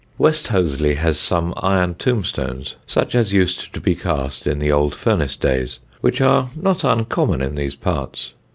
West Hoathly has some iron tombstones, such as used to be cast in the old furnace days, which are not uncommon in these parts.